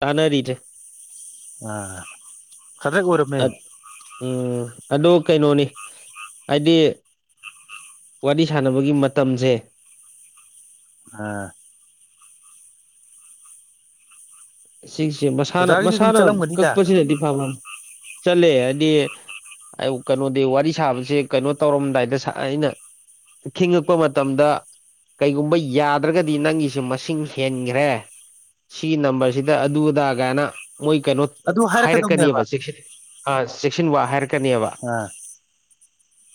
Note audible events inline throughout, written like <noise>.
ꯇꯥꯅꯔꯤꯖꯦ ꯑ ꯈꯗꯦꯛ ꯑꯣꯏꯔꯝꯃꯦ ꯎꯝ ꯑꯗꯣ ꯀꯩꯅꯣꯅꯤ ꯍꯥꯏꯗꯤ <unintelligible> ꯋꯥꯔꯤ ꯁꯥꯟꯅꯕꯒꯤ ꯃꯇꯝꯁꯦ ꯑ ꯁꯤꯁꯦ ꯃꯁꯥꯅ ꯑꯣꯖꯥꯒꯤꯁꯨ ꯑꯗꯨꯝ ꯃꯁꯥꯅ ꯆꯠꯂꯝꯒꯅꯤꯗ ꯀꯛꯄꯁꯤꯅꯗꯤ ꯐꯕ ꯆꯠꯂꯦ ꯍꯥꯏꯗꯤ ꯀꯩꯅꯣꯗꯤ ꯋꯥꯔꯤ ꯁꯥꯕꯁꯦ ꯀꯩꯅꯣ ꯇꯧꯔꯝꯗꯥꯏꯗ ꯑꯩꯅ ꯈꯤꯉꯛꯄ ꯃꯇꯝꯗ ꯀꯩꯒꯨꯝꯕ ꯌꯥꯗ꯭ꯔꯒꯗꯤ ꯅꯪꯒꯤꯁꯦ ꯃꯁꯤꯡ ꯍꯦꯟꯒꯔꯦ ꯁꯤꯒꯤ ꯅꯝꯕꯔꯁ ꯁꯤꯗ ꯑꯗꯨ ꯑꯗꯥ ꯀꯥꯏꯅ ꯃꯣꯏ ꯀꯩꯅꯣ ꯑꯗꯨ ꯍꯥꯏꯔꯛꯀꯅꯦꯕ ꯍꯥꯏꯔꯛꯀꯗꯕꯅꯦꯕ ꯆꯦꯛꯁꯤꯟ ꯋꯥ ꯍꯥꯏꯔ ꯀꯅꯤꯕ ꯑꯥ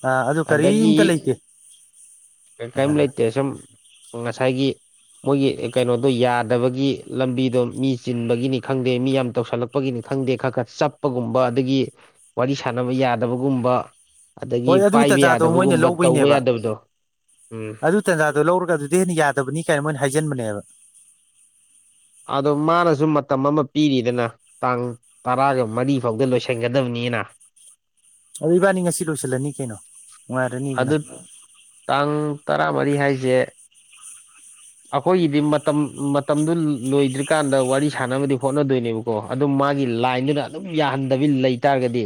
ꯑꯥ ꯑꯗꯨ ꯑꯗꯒꯤ ꯀꯔꯤꯝꯇ ꯂꯩꯇꯦ ꯀꯔꯤꯝ ꯂꯩꯇꯦ ꯁꯨꯝ ꯉꯁꯥꯏꯒꯤ ꯃꯣꯏꯒꯤ ꯀꯩꯅꯣꯗꯣ ꯌꯥꯗꯕꯒꯤ ꯂꯝꯕꯤꯗꯣ ꯃꯤ ꯆꯤꯟꯕꯒꯤꯅꯤ ꯈꯪꯗꯦ ꯃꯤ ꯌꯥꯝ ꯇꯧꯁꯜꯂꯛꯄꯒꯤꯅꯤ ꯈꯪꯗꯦ ꯈꯔ ꯈꯔ ꯆꯞꯄꯒꯨꯝꯕ ꯑꯗꯒꯤ ꯋꯥꯔꯤ ꯁꯥꯟꯅꯕ ꯌꯥꯗꯕꯒꯨꯝꯕ ꯑꯗꯒꯤ ꯍꯣꯏ ꯑꯗꯨ ꯄꯥꯏꯕ ꯇꯥꯟꯖꯥꯗꯣ ꯃꯣꯏꯅ ꯌꯥꯗꯕꯒꯨꯝꯕ ꯇꯧꯕ ꯌꯥꯗꯕꯗꯣ ꯎꯝ ꯇꯥꯟꯖꯥꯗꯨꯣ ꯂꯧꯔꯒ ꯑꯗꯨꯗꯤ ꯍꯦꯟꯅ ꯌꯥꯗꯕꯅꯤ ꯀꯥꯏꯅ ꯃꯣꯏꯅ ꯍꯥꯏꯖꯟꯕꯅꯦꯕ ꯑꯗꯣ ꯃꯥꯅꯁꯨ ꯃꯇꯝ ꯑꯃ ꯄꯤꯔꯤꯗꯅ ꯇꯥꯡ ꯇꯔꯥꯒ ꯃꯔꯤ ꯐꯥꯎꯗ ꯂꯣꯏꯁꯟꯒꯗꯕꯅꯤꯅ ꯑꯗꯨ ꯏꯕꯥꯅꯤ ꯉꯁꯤ ꯂꯣꯏꯁꯤꯜꯂꯅꯤ ꯀꯩꯅꯣ ꯅꯨꯡꯉꯥꯏꯔꯅꯤꯗꯅ ꯑꯗꯨ ꯇꯥꯡ ꯇꯔꯥ ꯃꯔꯤ ꯍꯥꯏꯁꯦ ꯑꯩꯈꯣꯏꯒꯤꯗꯤ ꯃꯇꯝ ꯃꯇꯝꯗꯨ ꯂꯣꯏꯗ꯭ꯔꯤꯀꯥꯟꯗ ꯋꯥꯔꯤ ꯁꯥꯟꯅꯕꯗꯤ ꯍꯣꯠꯅꯗꯣꯏꯅꯦꯕ ꯀꯣ ꯑꯗꯨꯝ ꯃꯥꯒꯤ ꯂꯥꯏꯟꯗꯨꯅ ꯑꯗꯨꯝ ꯌꯥꯍꯟꯗꯕꯤ ꯂꯩꯇꯥꯔꯒꯗꯤ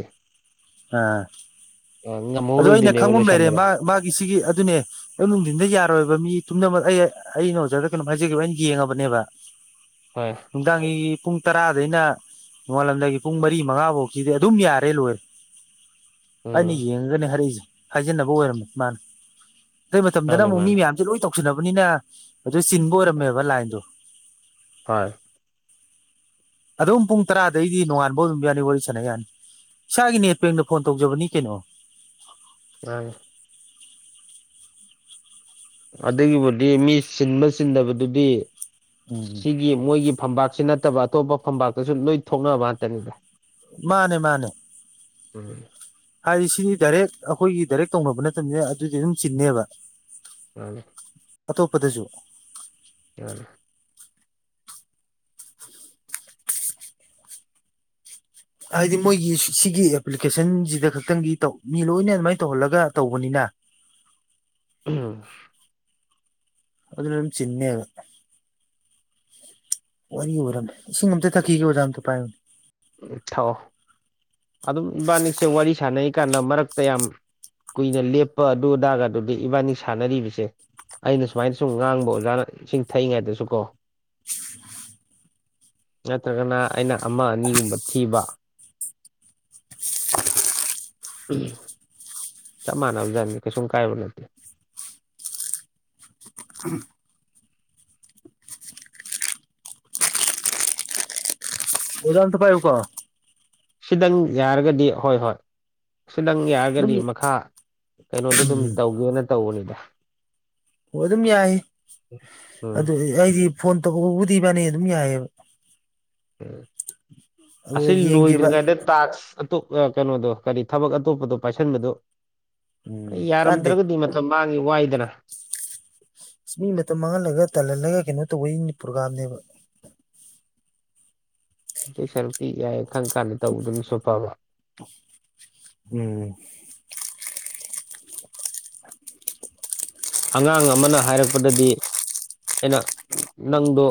ꯑ ꯑꯣ ꯑꯩꯅ ꯉꯝꯍꯧꯔꯣꯏꯗꯣꯏꯅꯦꯕ ꯈꯪꯐꯝ ꯂꯩꯔꯦ ꯂꯣꯏꯁꯟꯕꯗ ꯃꯥ ꯃꯥꯒꯤ ꯁꯤꯒꯤ ꯑꯗꯨꯅꯦ ꯑ ꯅꯨꯡꯊꯤꯟꯗ ꯌꯥꯔꯣꯏꯕ ꯃꯤ ꯄꯨꯝꯅꯃꯛ ꯑꯩ ꯑꯩꯅ ꯑꯣꯖꯥꯗ ꯀꯩꯅꯣꯝ ꯍꯥꯏꯖꯈꯤꯕ ꯑꯩꯅ ꯌꯦꯡꯉꯕꯅꯦꯕ <unintelligible> ꯍꯣꯏ ꯅꯨꯡꯗꯥꯡꯒꯤ ꯄꯨꯡ ꯇꯔꯥꯗꯩꯅ ꯅꯣꯡꯉꯥꯜꯂꯝꯗꯥꯏꯒꯤ ꯄꯨꯡ ꯃꯔꯤ ꯃꯉꯥꯐꯧꯒꯤꯗꯤ ꯑꯗꯨꯝ ꯌꯥꯔꯦ ꯂꯣꯏꯔꯦ ꯑꯩꯅ ꯎꯝ ꯌꯦꯡꯉꯒꯅꯦ ꯍꯥꯏꯔꯛꯏꯁꯦ ꯍꯥꯏꯖꯤꯟꯅꯕ ꯑꯣꯏꯔꯝꯃꯦ ꯃꯥꯅ ꯑꯗꯩ ꯃꯇꯝꯗꯅ ꯃꯥꯅꯤ ꯑꯃꯨꯛ ꯃꯤ ꯃꯥꯅꯤ ꯃꯌꯥꯝꯁꯦ ꯂꯣꯏ ꯇꯧ ꯁꯨꯅꯕꯅꯤꯅ ꯑꯗꯨ ꯆꯤꯟꯕ ꯑꯣꯏꯔꯝꯃꯦꯕ ꯂꯥꯏꯟꯗꯣ ꯍꯣꯏ ꯑꯗꯨꯝ ꯄꯨꯡ ꯇꯔꯥꯗꯩꯗꯤ ꯅꯣꯉꯥꯟꯕ ꯑꯗꯨꯝ ꯌꯥꯅꯤ ꯋꯥꯔꯤ ꯁꯥꯟꯅ ꯌꯥꯅꯤ ꯏꯁꯥꯒꯤ ꯅꯦꯠꯄꯦꯡꯗ ꯐꯣꯟ ꯇꯧꯖꯕꯅꯤ ꯀꯩꯅꯣ ꯃꯥ ꯑꯗꯨꯒꯤꯕꯨꯗꯤ ꯃꯤ ꯁꯤꯟꯕ ꯁꯤꯟꯗꯕꯗꯨꯗꯤ ꯎꯝꯝ ꯒꯤ ꯃꯣꯏꯒꯤ ꯐꯝꯄꯥꯛꯥꯛꯁꯤ ꯅꯠꯇꯕ ꯑꯇꯣꯞꯄ ꯐꯝꯄꯥꯛꯥꯛꯇꯁꯨ ꯂꯣꯏ ꯊꯣꯛꯅꯕ ꯉꯥꯛꯇꯅꯤꯗ ꯃꯥꯅꯦ ꯃꯥꯅꯦ ꯎꯝ ꯍꯥꯏꯗꯤ ꯁꯤꯗꯤ ꯗꯥꯏꯔꯦꯛ ꯑꯩꯈꯣꯏꯒꯤ ꯗꯥꯏꯔꯦꯛ ꯇꯧꯅꯕ ꯅꯠꯇꯅꯤꯅ ꯑꯗꯨꯗꯤ ꯑꯗꯨꯝ ꯆꯤꯟꯅꯦꯕ ꯎꯝ ꯑꯇ ꯎꯄꯗꯁꯨꯨ ꯌꯥ ꯍꯥꯏꯗꯤ ꯃꯣꯏꯒꯤ ꯁꯤꯒꯤ ꯑꯦꯄ꯭ꯂꯤꯀꯦꯁꯟꯁꯤꯗ ꯈꯛꯇꯪꯒꯤꯧ ꯃꯤ ꯂꯣꯏꯅ ꯑꯗꯨꯃꯥꯏꯅ ꯇꯧꯍꯜꯂꯒ ꯇꯧꯕꯅꯤꯅ ꯎꯝ ꯑꯗꯨꯅ ꯆꯤꯍꯅꯦ ꯋꯥꯔꯤ ꯑꯣꯏꯔꯝꯃꯦ ꯏꯁꯤꯡ ꯑꯝꯇ ꯊꯛꯈꯤꯒꯦ ꯑꯣꯖꯥꯝ ꯑꯝꯇ ꯄꯥꯏꯌꯨ ꯊꯑꯣ ꯑꯗꯨꯝ ꯏꯕꯥꯅꯤꯛꯁꯦ ꯋꯥꯔꯤ ꯁꯥꯟꯅꯔꯤꯀꯥꯟꯗ ꯃꯔꯛꯇ ꯌꯥꯝ ꯀꯨꯏꯅ ꯂꯦꯞꯄ ꯑꯗꯨ ꯑꯗꯥꯒ ꯑꯗꯨꯗꯤ ꯏꯕꯥꯅꯤ ꯁꯥꯟꯅꯔꯤꯕꯁꯦ ꯑꯩꯅ ꯁꯨꯃꯥꯏꯅ ꯁꯨꯝ ꯉꯥꯡꯕ ꯑꯣꯖꯥꯅ ꯏꯁꯤꯡ ꯊꯛꯏꯉꯩꯗꯁꯨ ꯀꯣ <inaudible> ꯅꯠꯇ꯭ꯔꯒꯅ ꯑꯩꯅ ꯑꯃ ꯑꯅꯤꯒꯨꯝꯕ ꯃꯊꯤꯕ ꯆꯞ ꯃꯥꯟꯅꯕꯖꯠꯅꯤ ꯀꯩꯨꯝ ꯀꯥꯏꯕ ꯅꯠꯇꯦ ꯖ ꯇ ꯄꯥꯏꯕꯨꯨ ꯀꯣ ꯁꯤꯗꯪ ꯌꯥꯔꯒꯗꯤ ꯍꯣꯏ ꯍꯣꯏ ꯑꯁꯤꯗꯪ ꯑꯗꯨꯝ ꯌꯥꯔꯒꯗꯤ ꯃꯈꯥ ꯀꯩꯅꯣꯗꯣ ꯑꯗꯨꯝ ꯇꯧꯒꯦꯅ ꯇꯧꯕꯅꯤꯗ ꯑꯣ ꯑꯗꯨꯝ ꯌꯥꯏ ꯎꯝ ꯑꯗꯨ ꯑꯩꯗꯤ ꯐꯣꯟ ꯇꯧꯕꯕꯨꯗꯤꯕꯥꯅꯤ ꯑꯗꯨꯝ ꯌꯥꯏꯑꯕ ꯎ ꯑꯗꯨ ꯑꯁꯤ ꯌꯦꯡꯒꯦꯕ ꯂꯣꯏꯗ꯭ꯔꯤꯉꯩꯗ ꯇꯥꯛꯁ ꯑꯇꯣꯞ ꯀꯩꯅꯣꯗꯣ ꯀꯔꯤ ꯊꯕꯛ ꯑꯇꯣꯞꯄꯗꯣ ꯄꯥꯏꯁꯟꯕꯗꯣ ꯑꯩ ꯎꯝ ꯀꯥꯟꯗꯦ ꯌꯥꯔꯝꯗ꯭ꯔꯒꯗꯤ ꯃꯇꯝ ꯃꯥꯡꯉꯤ ꯋꯥꯏꯗꯅ ꯑꯁ ꯃꯤ ꯃꯇꯝ ꯃꯥꯡꯍꯜꯂꯒ ꯇꯜꯍꯜꯂꯒ ꯀꯩꯅꯣ ꯇꯧꯕꯩ ꯄ꯭ꯔꯣꯒꯥꯝꯅꯦꯕ ꯑꯇꯩ ꯁꯔꯨꯛꯇꯤ ꯌꯥꯏ ꯈꯪ ꯀꯥꯟꯗ ꯇꯧꯕꯗꯨꯅꯁꯨ ꯐꯕ ꯎꯝ ꯑꯉꯥꯡ ꯑꯃꯅ ꯍꯥꯏꯔꯛꯄꯗꯗꯤ ꯑꯩꯅ ꯅꯪꯗꯣ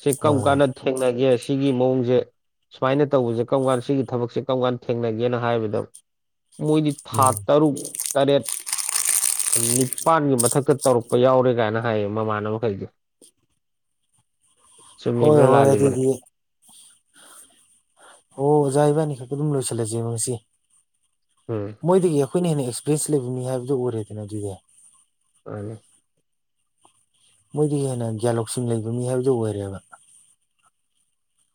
ꯁꯤ ꯀꯔꯝ ꯑꯥ ꯀꯥꯟꯗ ꯊꯦꯡꯅꯒꯦ ꯁꯤꯒꯤ ꯃꯑꯣꯡꯁꯦ ꯁꯨꯃꯥꯏꯅ ꯇꯧꯕꯁꯦ ꯀꯔꯝ ꯀꯥꯟ ꯁꯤꯒꯤ ꯊꯕꯛꯁꯦ ꯀꯔꯝ ꯀꯥꯟꯗ ꯊꯦꯡꯅꯒꯦꯅ ꯍꯥꯏꯕꯗꯣ ꯃꯣꯏꯗꯤ ꯊꯥ ꯎꯝ ꯇꯔꯨꯛ ꯇꯔꯦꯠ ꯅꯤꯄꯥꯥꯟꯒꯤ ꯃꯊꯛꯇ ꯇꯧꯔꯛꯄ ꯌꯥꯎꯔꯦ ꯀꯥꯏꯅ ꯍꯥꯏꯌꯦ ꯃꯃꯥꯟꯅꯕ ꯃꯈꯩꯗꯤ ꯍꯣꯏ ꯆꯨꯝꯃꯤꯕ꯭ꯔ ꯍꯣꯏ ꯂꯥꯜꯂꯤꯕ꯭ꯔ ꯑꯗꯨꯗꯤ ꯑꯣꯖꯥ ꯏꯕꯥꯅꯤ ꯈꯛꯛꯇ ꯑꯗꯨꯝ ꯂꯣꯏꯁꯤꯜꯂꯁꯦꯕ ꯉꯁꯤ ꯎꯝ ꯃꯣꯏꯗꯒꯤ ꯑꯩꯈꯣꯏꯅ ꯍꯦꯟꯅ ꯑꯦꯛꯁꯄꯤꯔꯌꯦꯟꯁ ꯂꯩꯕꯅꯤ ꯍꯥꯏꯕꯗꯨ ꯑꯣꯏꯔꯦꯗꯅ ꯑꯗꯨꯗꯤ ꯑꯅꯤ ꯃꯣꯏꯗꯒꯤ ꯍꯦꯟꯅ ꯒ꯭ꯌꯥꯟ ꯂꯧꯁꯤꯡ ꯂꯩꯕ ꯃꯤ ꯍꯥꯏꯕꯗꯨ ꯑꯣꯏꯔꯦꯕ꯫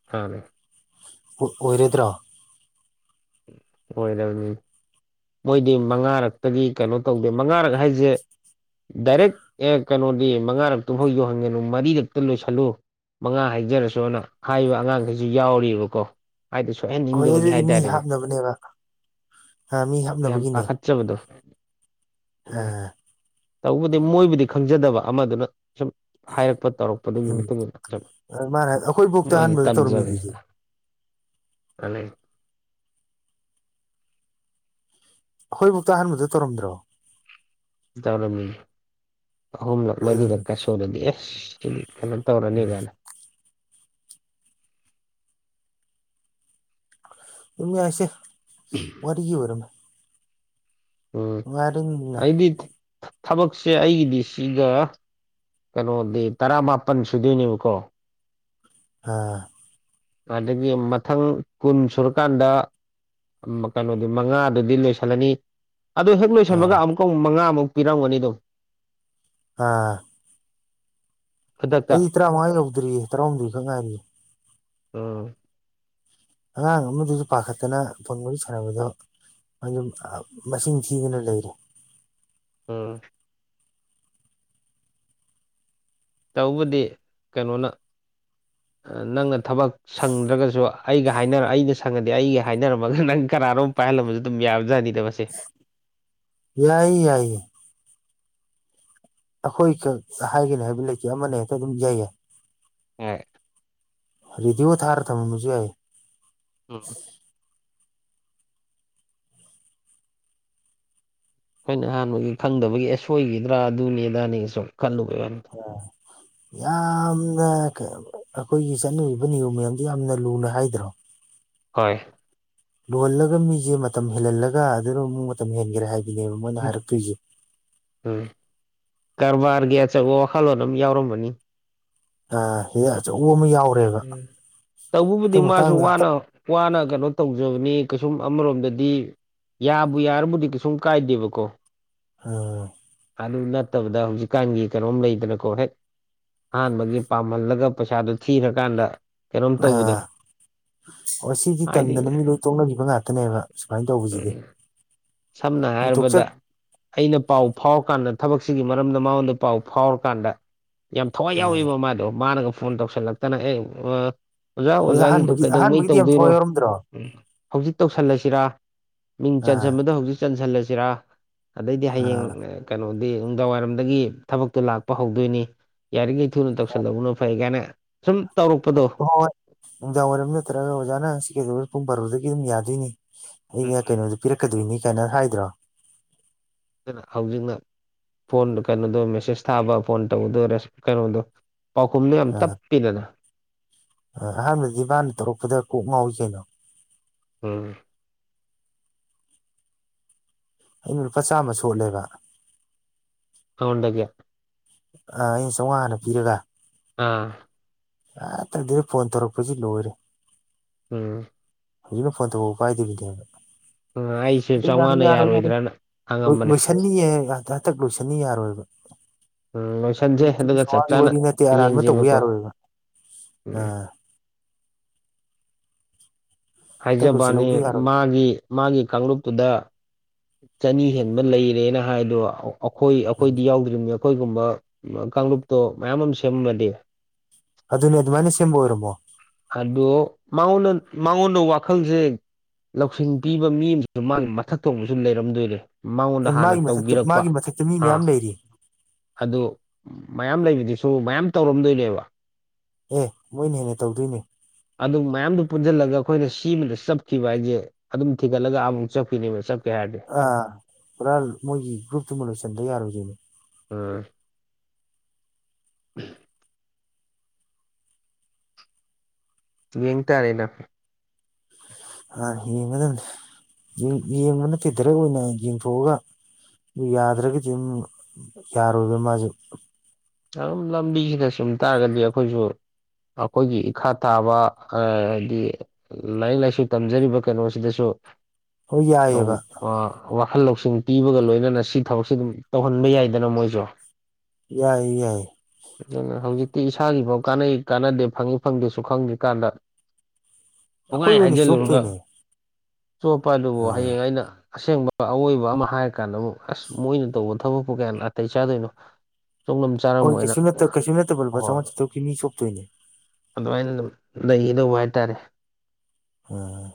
<unintelligible> ꯑꯣꯏꯔꯣꯏꯗ꯭ꯔꯣ꯫ ꯑꯣꯏꯔꯕꯅꯤ ꯃꯣꯏꯗꯤ ꯃꯉꯥꯔꯛꯇꯒꯤ ꯀꯩꯅꯣ ꯇꯧꯗꯦ ꯃꯉꯥꯔꯛ ꯍꯥꯏꯁꯦ꯫ ꯗꯥꯏꯔꯦꯛ ꯑꯦ ꯀꯩꯅꯣꯗꯤ ꯃꯉꯥꯔꯛꯇꯨꯐꯥꯎ ꯌꯧꯍꯟꯒꯅꯨ ꯃꯔꯤꯔꯛꯇ ꯂꯣꯏꯁꯤꯜꯂꯨ꯫ ꯃꯉꯥ ꯍꯥꯏꯖꯔꯁꯨꯅ ꯍꯥꯏꯕ ꯑꯉꯥꯡꯈꯩꯁꯨ ꯌꯥꯎꯔꯤꯕꯀꯣ ꯍꯥꯏꯗꯤ ꯁꯣꯏꯍꯟꯅꯤꯡꯗꯕꯒꯤ ꯍꯥꯏꯇꯥꯔꯦꯅꯦ꯫ <unintelligible> ꯕꯅꯦꯕ꯫ ꯌꯥꯝ ꯄꯥꯈꯠꯆꯕꯗꯣ ꯎꯝ꯫ ꯑꯥ ꯇꯧꯕꯨꯗꯤ ꯃꯣꯏꯕꯨꯗꯤ ꯈꯪꯖꯗꯕ ꯑꯃꯗꯨꯅ꯫ ꯁꯨꯝ ꯍꯥꯏꯔꯛꯄ ꯇꯧꯔꯛꯄꯗꯨꯒꯤ ꯎꯝ ꯃꯇꯨꯡ ꯁꯨꯝ ꯃꯥꯅ ꯑꯩꯈꯣꯏꯕꯨꯛꯇ ꯃꯣꯏꯅ ꯑꯍꯥꯟꯕꯗ ꯇꯧꯔꯝꯃꯤꯗꯨꯗꯤ ꯇꯝꯖꯕꯅꯤꯗ꯫ <unintelligible> ꯑꯩꯈꯣꯏꯕꯨꯛꯇ ꯑꯍꯥꯟꯕꯗ ꯇꯧꯔꯝꯗ꯭ꯔꯣ ꯇꯧꯔꯝꯃꯤ ꯑꯍꯨꯝꯂꯛ ꯎꯝ ꯃꯔꯤꯈꯛꯀ ꯁꯨꯔꯗꯤ ꯑꯦꯁ ꯁꯤꯗꯤ <unintelligible> ꯎꯝ ꯇꯧꯔꯅꯤꯒꯥꯏꯅ ꯑꯗꯨꯝ ꯌꯥꯏꯁꯦ <unintelligible> ꯋꯥꯔꯤꯒꯤ ꯑꯣꯏꯔꯃꯦ ꯎꯝ ꯉꯥꯏꯔꯤꯅ ꯑꯩꯗꯤ ꯊꯕꯛꯁꯦ ꯑꯩꯒꯤꯗꯤ ꯁꯤꯒ ꯀꯩꯅꯣꯗꯤ ꯇꯔꯥ ꯃꯥꯄꯟ ꯁꯨꯗꯣꯏꯅꯦꯕꯀꯣ ꯑ ꯑꯗꯒꯤ ꯃꯊꯪ ꯀꯨꯟ ꯁꯨꯔꯀꯥꯟꯗ꯫ ꯀꯩꯅꯣꯗꯨ ꯃꯉꯥꯗꯨꯗꯤ ꯂꯣꯏꯁꯤꯜꯂꯅꯤ ꯑꯗꯨ ꯍꯦꯛ꯫ ꯑꯃꯨꯛ ꯑꯥ ꯂꯣꯏꯁꯟꯕꯒ ꯑꯃꯨꯛꯀ ꯑꯃꯨꯛ ꯃꯉꯥꯃꯨꯛ ꯄꯤꯔꯝꯒꯅꯤ ꯑꯗꯨꯝ꯫ ꯑꯥ꯫ ꯈꯨꯗꯛꯇ꯫ ꯇꯔꯥꯉꯥ ꯌꯧꯗ꯭ꯔꯤꯌꯦ ꯇꯔꯥꯍꯨꯝꯗꯣꯏ ꯈꯛ ꯉꯥꯏꯔꯤꯌꯦ꯫ ꯎꯝ꯫ ꯑꯉꯥꯡ ꯑꯃꯗꯨꯁꯨ ꯄꯥꯈꯠꯇꯅ ꯐꯣꯟ ꯋꯥꯔꯤ ꯁꯥꯟꯅꯕꯗꯣ꯫ ꯑꯗꯨꯝ ꯃꯁꯤꯡ ꯊꯤꯗꯅ ꯂꯩꯔꯦ꯫ ꯎꯝ꯫ ꯇꯧꯕꯨꯗꯤ ꯀꯩꯅꯣꯅ ꯅꯪꯅ ꯊꯕꯛ꯫ ꯁꯪꯗ꯭ꯔꯒꯁꯨ ꯑꯩꯒ ꯍꯥꯏꯅꯔ ꯑꯩꯒ ꯁꯪꯉꯗꯤ ꯑꯩꯒ ꯍꯥꯏꯅꯔꯝꯃꯒ ꯅꯪ ꯀꯅꯥꯅꯣꯝ ꯄꯥꯏꯍꯜꯂꯝꯃꯁꯨ ꯑꯗꯨꯝ ꯌꯥꯕꯖꯥꯅꯤꯗ ꯃꯁꯤ꯫ ꯌꯥꯏ ꯌꯥꯏ꯫ ꯑꯩꯈꯣꯏ ꯈꯛ ꯍꯥꯏꯒꯅꯤ ꯍꯥꯏꯕ ꯂꯩꯇꯦ ꯑꯃꯅ ꯍꯦꯛꯇ ꯑꯗꯨꯝ ꯏꯌꯥꯌꯥꯏ꯫ <unintelligible> ꯔꯦꯗꯤꯑꯣ ꯊꯥꯔ ꯊꯃꯝꯃꯁꯨ ꯌꯥꯏ꯫ ꯎꯝ꯫ ꯑꯩꯈꯣꯏꯅ ꯑꯍꯥꯟꯕꯒꯤ ꯈꯪꯗꯕꯒꯤ ꯑꯦ ꯁꯣꯏꯈꯤꯗ꯭ꯔꯥ ꯑꯗꯨꯅꯤ ꯑꯗꯥꯅꯤꯒꯤ ꯁꯨꯝ ꯈꯜꯂꯨꯕꯩ ꯋꯥꯅꯤ꯫ <unintelligible> ꯌꯥꯝꯅ ꯑꯩꯈꯣꯏꯒꯤ ꯆꯠꯅꯔꯤꯕ ꯅꯤꯌꯣꯝ ꯃꯌꯥꯝꯗꯨ ꯌꯥꯝꯅ ꯂꯨꯅ ꯍꯥꯏꯗ꯭ꯔꯣ꯫ ꯍꯣꯏ꯫ ꯂꯨꯍꯜꯂꯒ ꯃꯤꯁꯦ ꯃꯇꯝ ꯍꯦꯜꯍꯜꯂꯒ ꯑꯗꯨꯅ ꯑꯃꯨꯛ ꯃꯇꯝ ꯍꯦꯟꯈꯔꯦ ꯍꯥꯏꯕꯅꯦꯕ ꯃꯣꯏꯅ ꯍꯥꯏꯔꯛꯇꯣꯏꯁꯦ꯫ ꯎꯝ ꯀꯔꯕꯥꯔꯒꯤ ꯑꯆꯧꯕ ꯋꯥꯈꯜꯂꯣꯟ ꯑꯃ ꯌꯥꯎꯔꯝꯕꯅꯤ꯫ ꯑ ꯁꯤꯗ ꯑꯆꯧꯕ ꯑꯃ ꯌꯥꯎ꯫ ꯎꯝ ꯇꯧꯕꯕꯨꯗꯤ ꯃꯥꯁꯨ ꯍꯟꯗꯛ ꯋꯥꯅ꯫ ꯋꯥꯅ ꯀꯩꯅꯣ ꯇꯧꯖꯕꯅꯤ ꯀꯩꯁꯨꯝ ꯑꯃꯔꯣꯝꯗꯗꯤ꯫ ꯌꯥꯕꯨ ꯌꯥꯔꯕꯨꯗꯤ ꯀꯩꯁꯨꯝ ꯀꯥꯏꯗꯦꯕꯀꯣ꯫ ꯑ꯫ ꯑꯗꯨ ꯅꯠꯇꯕꯗ ꯍꯧꯖꯤꯛꯀꯥꯟꯒꯤ ꯀꯩꯅꯣꯝ ꯂꯩꯗꯅꯀꯣ ꯍꯦꯛ꯫ ꯑꯍꯥꯟꯕꯒꯤ ꯄꯥꯝꯍꯜꯂꯒ ꯄꯩꯁꯥꯗꯨ ꯊꯤꯔꯀꯥꯟꯗ ꯀꯩꯅꯣꯝ ꯇꯧꯕꯗꯣ꯫ ꯑꯣ ꯁꯤꯗꯤ ꯍꯥꯏꯗꯤ ꯇꯟꯗꯅ ꯃꯤ ꯂꯣꯏ ꯇꯣꯛꯅꯈꯤꯕ ꯉꯥꯛꯇꯅꯦꯕ ꯁꯨꯃꯥꯏꯅ ꯇꯧꯕꯁꯤꯗꯤ꯫ ꯁꯝꯅ ꯑꯗꯨꯝ ꯇꯣꯛꯆ ꯍꯥꯏꯔꯕꯗ꯫ ꯑꯩꯅ ꯄꯥꯎ ꯐꯥꯎꯔꯀꯥꯟꯗ ꯊꯕꯛꯁꯤꯒꯤ ꯃꯔꯝꯗ ꯃꯉꯣꯟꯗ ꯄꯥꯎ ꯐꯥꯎꯔꯀꯥꯟꯗ ꯌꯥꯝ ꯊꯋꯥꯏ ꯌꯥꯎꯋꯕ ꯃꯥꯗꯣ ꯃꯥꯅꯒ ꯐꯣꯟ ꯇꯧꯁꯜꯂꯛꯇꯅ ꯑꯦ ꯑꯣꯖꯥ ꯍꯣꯏ ꯑꯣꯖꯥꯒꯤꯗꯣ ꯑꯍꯥꯟꯕꯒꯤ ꯀꯩꯗꯧꯉꯩ ꯑꯍꯥꯟꯕꯒꯤꯗꯤ ꯌꯥꯝ ꯇꯧꯗꯣꯏꯅꯣ ꯊꯋꯥꯏ ꯌꯥꯎꯔꯝꯗ꯭ꯔꯣ ꯎꯝ ꯍꯧꯖꯤꯛ ꯇꯧꯁꯜꯂꯁꯤꯔꯥ ꯃꯤꯡ ꯑꯥ ꯆꯟꯁꯤꯟꯕꯗ ꯍꯧꯖꯤꯛ ꯆꯟꯁꯤꯜꯂꯁꯤꯔꯥ ꯑꯗꯩꯗꯤ ꯍꯌꯦꯡ ꯑꯥ ꯀꯩꯅꯣꯗꯤ ꯅꯨꯡꯗꯥꯡꯋꯥꯏꯔꯝꯗꯒꯤ ꯊꯕꯛꯇꯣ ꯂꯥꯛꯄ ꯍꯧꯗꯣꯏꯅꯤ ꯌꯥꯔꯤꯈꯩ ꯊꯨꯅ ꯇꯧꯁꯜꯂꯧꯕꯅꯣ ꯐꯩ ꯀꯥꯏꯅ ꯁꯨꯝ ꯇꯧꯔꯛꯄꯗꯣ ꯍꯣꯏ ꯍꯣꯏ ꯅꯨꯡꯗꯥꯡ ꯋꯥꯏꯔꯝ ꯅꯠꯇ꯭ꯔꯒ ꯑꯣꯖꯥꯅ ꯁꯤ ꯀꯩꯗꯧ ꯄꯨꯡ ꯄꯔꯗꯒꯤ ꯑꯗꯨꯝ ꯌꯥꯗꯣꯏꯅꯤ ꯑꯩꯩꯅ ꯑꯗꯨꯅ ꯀꯩꯅꯣ ꯄꯤꯔꯛꯀꯗꯣꯏꯅꯤ ꯀꯥꯏꯅ ꯍꯥꯏꯗ꯭ꯔꯣ꯫ ꯑꯗꯨꯅ ꯍꯧꯖꯤꯛꯅ ꯐꯣꯟ ꯀꯩꯅꯣꯗꯣ ꯃꯦꯁꯦꯖ ꯊꯥꯕ ꯐꯣꯟ ꯇꯧꯕꯗꯣ ꯀꯩꯅꯣꯗꯣ꯫ ꯄꯥꯎꯈꯨꯝꯗꯨ ꯌꯥꯝ ꯑꯥ ꯇꯞꯄꯤꯗꯅ꯫ ꯑꯍꯥꯟꯕꯗꯗꯤ ꯃꯥꯅ ꯇꯧꯔꯛꯄꯗ ꯀꯣꯛ ꯉꯥꯎꯋꯤ ꯀꯩꯅꯣ꯫ ꯎꯝ꯫ ꯑꯩꯅ ꯂꯨꯄꯥ ꯆꯥꯝꯃ ꯁꯣꯠꯂꯦꯕ꯫ ꯑꯉꯣꯟꯗꯒꯤ꯫ ꯑ ꯑꯩꯅ ꯆꯥꯎꯉꯥ ꯍꯥꯅ ꯄꯤꯔꯒ꯫ ꯑꯥ ꯑ ꯇꯗꯤꯅ ꯐꯣꯟ ꯇꯧꯔꯛꯄꯁꯤ ꯂꯣꯏꯔꯦ ꯎꯝ ꯑꯗꯨꯝ ꯐꯣꯟ ꯇꯧꯕ ꯎ ꯀꯥꯏꯗꯦꯕꯤꯗꯤꯅ ꯑꯩꯁꯦ ꯑꯗꯨ ꯌꯥꯔꯣꯏ ꯆꯥꯝꯃꯉꯥꯅ ꯌꯥꯔꯣꯏ ꯌꯥꯔꯣꯏ ꯌꯥꯔꯣꯏꯗ꯭ꯔꯅ ꯍꯪꯉꯝꯕꯅꯦ ꯂꯣꯏꯁꯟꯅꯤꯌꯦꯗ ꯍꯟꯇꯛ ꯂꯣꯏꯁꯟꯅꯤ ꯌꯥꯔꯣꯏꯕ ꯎꯝ ꯂꯣꯏꯁꯟꯁꯦ ꯁꯤꯒꯤ ꯑꯗꯨꯒ ꯆꯞ ꯆꯥꯝꯃꯉꯥꯒꯤ ꯆꯥꯅ ꯋꯥꯔꯤ ꯅꯠꯇꯦ ꯑꯔꯥꯟꯕ ꯇꯧꯕ ꯌꯦꯡꯁꯦꯕꯀꯣ ꯌꯥꯔꯣꯏꯕ ꯎꯝ ꯇꯛꯂꯨꯞꯁꯦ ꯍꯥꯏꯖꯕꯅꯤ ꯂꯧꯗ ꯌꯥꯔꯣꯏ ꯃꯥꯒꯤ ꯃꯥꯒꯤ ꯀꯥꯡꯂꯨꯞꯇꯨꯗ ꯆꯅꯤ ꯍꯦꯟꯕ ꯂꯩꯔꯦꯅ ꯍꯥꯏꯗꯣ ꯑꯩꯈꯣꯏ ꯎꯝ ꯑꯩꯈꯣꯏꯗꯤ ꯌꯥꯎꯗ꯭ꯔꯤꯕ ꯑꯩꯈꯣꯏꯒꯨꯝꯕ ꯀꯥꯡꯂꯨꯞꯇꯣ ꯃꯌꯥꯝ ꯑꯃ ꯁꯦꯝꯃꯝꯃꯗꯤ ꯑꯗꯨꯅꯦ ꯑꯗꯨꯃꯥꯏꯅ ꯁꯦꯝꯕ ꯑꯣꯏꯔꯝꯃꯣ ꯑꯗꯣꯉꯣꯟꯗ ꯃꯉꯣꯟꯗ ꯋꯥꯈꯜꯁꯦ ꯂꯧꯁꯤꯡ ꯄꯤꯕ ꯃꯤ ꯑꯃꯁꯨꯁꯨ ꯃꯥꯒꯤ ꯃꯊꯛ ꯊꯣꯡꯕꯁꯨ ꯂꯩꯔꯝꯗꯣꯏꯔ ꯃꯉꯣꯟꯗ ꯑꯦ ꯍꯥꯟꯅ ꯃꯥꯒꯤ ꯃꯊꯛꯇ ꯇꯧꯕꯤꯔꯛꯄ ꯃꯥꯒꯤ ꯃꯊꯛꯇ ꯃꯤ ꯑꯥ ꯃꯌꯥꯝ ꯂꯩꯔꯤ ꯑꯗꯨ ꯃꯌꯥꯝ ꯂꯩꯕꯗꯨꯁꯨ ꯃꯌꯥꯝ ꯇꯧꯔꯝꯗꯣꯏꯅꯦꯕ ꯑꯦ ꯃꯣꯏꯅ ꯍꯦꯟꯅ ꯇꯧꯗꯣꯏꯅꯦ ꯑꯗꯨ ꯃꯌꯥꯝꯗꯨ ꯄꯨꯟꯁꯤꯜꯂꯒ ꯑꯩꯈꯣꯏꯅ ꯁꯤꯃꯗ ꯆꯞꯈꯤꯕ ꯍꯥꯏꯁꯦ ꯑꯗꯨꯝ ꯊꯤꯒꯠꯂꯒ ꯑꯃꯨꯛ ꯆꯠꯈꯤꯅꯦꯕ ꯆꯠꯀꯦ ꯍꯥꯏꯔꯗꯤ ꯑꯥ ꯄꯨꯔꯥ ꯃꯣꯏꯒꯤ ꯒ꯭ꯔꯨꯞꯇꯨꯃ ꯂꯣꯏꯁꯤꯟꯕ ꯌꯥꯔꯣꯏꯗꯣꯏꯅꯦ ꯎꯝ ꯎꯝ ꯌꯦꯡ ꯇꯥꯔꯦꯅ ꯌꯦꯡꯉꯗ ꯌꯦꯡꯕ ꯅꯠꯇꯦ ꯗꯥꯏꯔꯦꯛ ꯑꯣꯏꯅ ꯌꯦꯡꯊꯣꯛꯑꯒ ꯑꯗꯨ ꯌꯥꯗ꯭ꯔꯒꯗꯤ ꯑꯗꯨꯝ ꯌꯥꯔꯣꯏꯕ ꯃꯥꯁꯨꯦ ꯌꯥꯝ ꯂꯝꯕꯤꯁꯤꯗ ꯆꯨꯝ ꯇꯥꯔꯒꯗꯤ ꯑꯩꯈꯣꯏꯁꯨ ꯑꯩꯈꯣꯏꯒꯤ ꯏꯈꯥ ꯊꯥꯕ ꯍꯥꯏꯗꯤ ꯂꯥꯏꯔꯤꯛ ꯂꯥꯏꯁꯨ ꯇꯝꯖꯔꯤꯕ ꯀꯩꯅꯣꯁꯤꯗꯁꯨ ꯍꯣꯏ ꯌꯥꯏꯑꯕ ꯋꯥꯈꯜ ꯂꯧꯁꯤꯡ ꯄꯤꯕꯒ ꯂꯣꯏꯅꯅ ꯁꯤ ꯊꯕꯛꯁꯤ ꯑꯗꯨꯝ ꯇꯧꯍꯟꯕ ꯌꯥꯏꯗꯅ ꯃꯣꯏꯁꯨ ꯌꯥꯏ ꯌꯥꯏ ꯑꯗꯨ ꯍꯧꯖꯤꯛꯇꯤ ꯏꯁꯥꯒꯤꯐꯥꯎ ꯀꯥꯟꯅꯩ ꯀꯥꯟꯅꯗꯦ ꯐꯪꯏꯤ ꯐꯪꯗꯦꯁꯨ ꯈꯪꯗ꯭ꯔꯤ ꯀꯥꯟꯗ ꯉꯥꯏ ꯑꯩꯈꯣꯏ ꯑꯣꯏꯅ ꯍꯥꯏꯖꯤꯜꯂꯨꯔꯒ ꯆꯣꯞꯇꯣꯏꯅꯦ ꯆꯣꯞꯄ ꯑꯗꯨꯕꯨ ꯑꯥ ꯍꯌꯦꯡ ꯑꯩꯅ ꯑꯁꯦꯡꯕ ꯑꯋꯣꯏꯕ ꯑꯃ ꯍꯥꯏꯔ ꯀꯥꯟꯗ ꯑꯃꯨꯛ ꯑꯁ ꯃꯣꯏꯅ ꯇꯧꯕ ꯊꯕꯛꯄꯨ ꯀꯌꯥ ꯅꯥꯇꯩ ꯆꯥꯗꯣꯏꯅꯣ ꯆꯣꯂꯝ ꯍꯣꯏ ꯀꯩꯁꯨꯠꯇ ꯀꯩꯁꯨ ꯅꯠꯇꯕ ꯂꯨ ꯆꯥꯃꯉꯥꯇꯨꯛꯀꯤ ꯃꯤ ꯁꯣꯛꯇꯣꯏꯅꯦ ꯑꯗꯨꯃꯥꯏꯅ ꯑꯗꯨꯝ ꯂꯩꯒꯗꯧꯕ ꯍꯥꯏꯇꯥꯔꯦ ꯎꯝ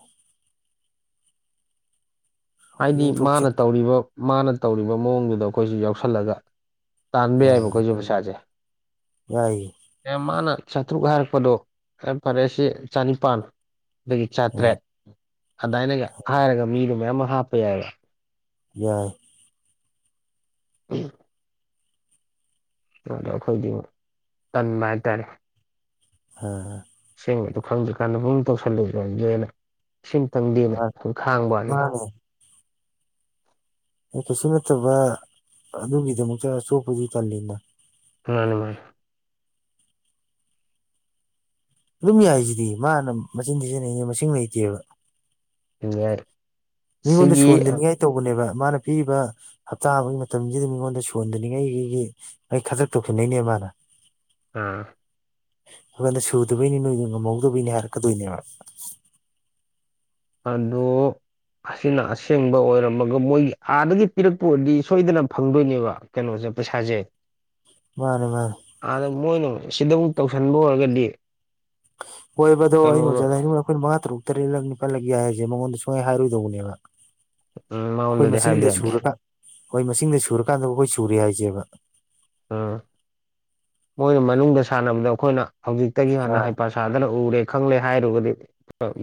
ꯍꯥꯏꯗꯤ ꯌꯦꯡꯊꯣꯛꯁꯦ ꯃꯥꯅ ꯇꯧꯔꯤꯕ ꯃꯥꯅ ꯇꯧꯔꯤꯕ ꯃꯑꯣꯡꯗꯨꯗ ꯑꯩꯈꯣꯏꯁꯨ ꯌꯥꯎꯁꯜꯂꯒ꯫ ꯇꯥꯟꯕ ꯌꯥꯏꯕ ꯑꯥ ꯑꯩꯈꯣꯏꯁꯨ ꯄꯩꯁꯥꯁꯦ꯫ ꯌꯥꯏꯌꯦ ꯑꯦ ꯃꯥꯅ ꯆꯥꯇ꯭ꯔꯨꯛ ꯍꯥꯏꯔꯛꯄꯗꯣ ꯐꯔꯦꯁꯦ ꯆꯅꯤꯄꯥꯟ ꯑꯗꯒꯤ ꯑꯥ ꯆꯥꯇ꯭ꯔꯦꯠ꯫ ꯑꯗꯥꯏꯅꯒ ꯍꯥꯏꯔꯒ ꯃꯤꯗꯣ ꯃꯌꯥꯝ ꯑꯃ ꯍꯥꯞꯄ ꯌꯥꯏꯌꯦ꯫ ꯌꯥꯏ꯫ 'unintelligible' ꯑꯗꯣ ꯑꯩꯈꯣꯏꯗꯤꯉꯣ ꯇꯟꯕ ꯍꯥꯏꯇꯥꯔꯦ꯫ ꯑꯥ ꯑꯁꯦꯡꯕꯗ ꯈꯪꯗ꯭ꯔꯀꯥꯟꯗ ꯨꯛ ꯇꯧꯁꯜꯂꯨꯁꯨꯗꯦꯅ ꯏꯁꯤꯡ ꯇꯪꯗꯦꯅ ꯑꯗꯨ ꯈꯥꯡꯕꯅꯤ ꯃꯥꯅꯦ ꯑꯩ ꯀꯩꯁꯨ ꯅꯠꯇꯕ ꯑꯗꯨꯒꯤꯗꯃꯛꯇ ꯑꯆꯣꯞꯄꯗꯤ ꯀꯜꯂꯤꯅ ꯃꯥꯅꯤ ꯃꯥꯅ ꯑꯗꯨꯝ ꯌꯥꯏꯁꯤꯗꯤ ꯃꯥꯅ ꯃꯆꯤꯟ ꯁꯤꯖꯤꯟꯅꯩꯅꯦ ꯃꯁꯤꯡ ꯂꯩꯇꯦꯕ ꯍꯔ ꯃꯤ ꯀꯣꯟꯗꯁꯨꯣꯟꯂꯤꯅꯤ ꯍꯥꯏ ꯇꯧꯕꯅꯦꯕ ꯃꯥꯅ ꯄꯤꯔꯤꯕ ꯍꯞꯇꯥ ꯑꯃꯒꯤ ꯃꯇꯝꯁꯤꯗ ꯃꯤꯉꯣꯟꯗ ꯁꯣꯟꯗꯅꯤꯡꯉꯥꯏꯒꯤꯒꯤ꯫ ꯑꯩ ꯈꯗ꯭ꯔꯛ ꯇꯧꯁꯟꯅꯩꯅꯦ ꯃꯥꯅ꯫ ꯎꯝ꯫ ꯑꯩꯉꯣꯟꯗ ꯁꯨꯗꯕꯩꯅꯤ ꯅꯣꯏꯗꯣ ꯉꯝꯍꯧꯗꯕꯩꯅꯤ ꯍꯥꯏꯔꯛꯀꯗꯣꯏꯅꯦꯕ꯫ ꯑꯂꯨ꯫ ꯑꯁꯤꯅ ꯑꯁꯦꯡꯕ ꯑꯣꯏꯔꯝꯃꯒ ꯃꯣꯏꯒꯤ ꯑꯥꯗꯒꯤ ꯄꯤꯔꯛꯄ ꯑꯣꯏꯔꯗꯤ ꯁꯣꯏꯗꯅ ꯐꯪꯗꯣꯏꯅꯦꯕ꯫ ꯀꯩꯅꯣꯁꯦ ꯄꯩꯁꯥꯁꯦ꯫ ꯃꯥꯅꯦ ꯃꯥꯅꯦ꯫ ꯑꯗꯥ ꯃꯣꯏꯅ ꯁꯤꯗ ꯑꯃꯨꯛ ꯇꯧꯁꯤꯟꯕ ꯑꯣꯏꯔꯒꯗꯤ꯫ ꯍꯣꯏꯕꯗꯣ ꯑꯩꯅ ꯀꯩꯅꯣ ꯑꯣꯖꯗ ꯍꯥꯏꯅꯤꯡꯕꯅ ꯑꯩꯈꯣꯏꯅ ꯃꯉꯥ ꯇꯔꯨꯛ ꯇꯔꯦꯠꯂꯛ ꯅꯤꯄꯥꯜꯂꯛ ꯌꯥꯏ ꯍꯥꯏꯁꯦ ꯃꯉꯣꯟꯗ ꯁꯨꯡꯍꯥꯏ ꯍꯥꯏꯔꯣꯏꯗꯧꯕꯅꯦꯕ꯫ ꯎꯝ ꯑꯩꯈꯣꯏ ꯃꯉꯣꯟꯗꯗꯤ ꯍꯥꯏꯕ ꯃꯁꯤꯡꯗ ꯌꯥꯗꯦ ꯁꯨꯔꯒ ꯍꯣꯏ ꯃꯁꯤꯡꯗ ꯁꯨꯔꯀꯥꯟꯗꯕꯨ ꯑꯩꯈꯣꯏ ꯁꯨꯔꯦ ꯍꯥꯏꯁꯦꯕ꯫ ꯎꯝ ꯃꯣꯏꯅ ꯃꯅꯨꯡꯗ ꯁꯥꯟꯅꯕꯗ ꯑꯩꯈꯣꯏꯅ ꯍꯧꯖꯤꯛꯇꯒꯤ ꯍꯥꯟꯅ ꯑꯥ ꯍꯩꯄꯥ꯫ ꯁꯥꯗꯅ ꯎꯔꯦ ꯈꯪꯂꯦ ꯍꯥꯏꯔꯨꯔꯒꯗꯤ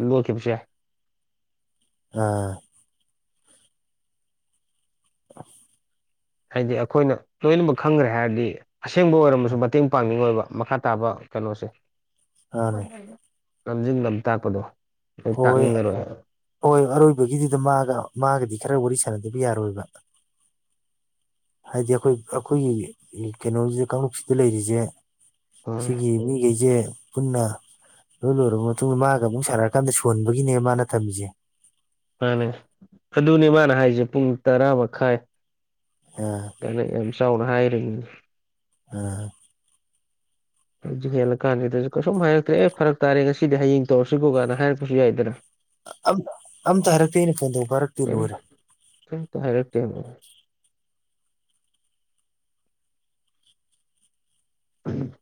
ꯂꯣꯠꯈꯤꯕꯁꯨ ꯌꯥꯏ꯫ ꯑꯥ꯫ <inaudible> ꯍꯥꯏꯗꯤ ꯑꯩꯈꯣꯏꯅ ꯂꯣꯏꯅꯃꯛ ꯈꯪꯒ꯭ꯔꯦ ꯍꯥꯏꯔꯗꯤ ꯑꯁꯦꯡꯕ ꯑꯣꯏꯔꯝꯃꯁꯨ ꯃꯇꯦꯡ ꯄꯥꯡꯅꯤꯡꯉꯣꯏꯕ ꯃꯈꯥ ꯇꯥꯕ꯫ ꯀꯩꯅꯣꯁꯦ ꯃꯥꯅꯦ ꯂꯝꯖꯤꯡ ꯂꯝ ꯇꯥꯛꯄꯗꯣ ꯑꯗꯣ ꯍꯣꯏ ꯇꯥꯛꯅꯤꯡꯉꯔꯣꯏ꯫ ꯍꯣꯏ ꯑꯔꯣꯏꯕꯒꯤꯗꯨꯗ ꯃꯥꯒ ꯃꯥꯒꯗꯤ ꯈꯔ ꯋꯥꯔꯤ ꯁꯥꯟꯅꯗꯕ ꯌꯥꯔꯣꯏꯕ꯫ ꯍꯥꯏꯗꯤ ꯑꯩꯈꯣꯏ ꯑꯩꯈꯣꯏꯒꯤ ꯀꯩꯅꯣꯖꯤ ꯀꯥꯡꯂꯨꯞꯁꯤꯗ ꯂꯩꯔꯤꯖꯦ꯫ ꯎꯝ ꯁꯤꯒꯤ ꯃꯤꯒꯩꯖꯦ ꯄꯨꯟꯅ ꯂꯣꯏ ꯂꯣꯏꯔꯕ ꯃꯇꯨꯡꯗ ꯃꯥꯒ ꯑꯃꯨꯛ ꯁꯥꯟꯅ꯫ ꯀꯝꯗ ꯁꯣꯟꯕꯒꯤꯅꯦ ꯃꯥꯅ ꯊꯝꯃꯤꯁꯦ꯫ ꯃꯥꯅꯦ ꯑꯗꯨꯅꯦ ꯃꯥꯅ ꯍꯥꯏꯁꯦ ꯄꯨꯡ ꯇꯔꯥ ꯃꯈꯥꯏ꯫ ꯎꯝ꯫ ꯅ ꯌꯥꯝ ꯆꯥꯎꯅ ꯍꯥꯏꯔꯤꯅꯤ꯫ ꯎꯝ꯫ ꯍꯧꯖꯤꯛ ꯍꯦꯜꯂ ꯀꯥꯟꯗꯁꯨ ꯀꯩꯁꯨꯝ ꯍꯥꯏꯔꯛꯇ꯭ꯔꯦ ꯍꯦ ꯐꯔꯛ ꯇꯥꯔꯦ ꯉꯁꯤꯗꯤ ꯍꯌꯦꯡ ꯇꯧꯔꯁꯤꯀꯣ ꯀꯥꯏꯅ ꯍꯥꯏꯔꯛꯄꯁꯨ ꯌꯥꯏꯗꯅ꯫ ꯑ ꯑꯝꯇ ꯍꯥꯏꯔꯛꯇꯦ ꯑꯩꯅ ꯐꯣꯟ ꯇꯧꯕ ꯄꯥꯏꯔꯛꯇꯦ ꯀꯩꯝ ꯂꯣꯏꯔꯦ꯫ ꯀꯩꯝꯇ ꯍꯥꯏꯔꯛꯇꯦ꯫ 'unintelligible'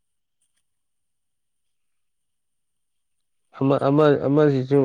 ꯑꯃ ꯑꯃ ꯑꯃꯁꯤꯁꯨ꯫